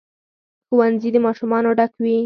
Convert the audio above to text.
ښوونځي د ماشومانو ډک وي.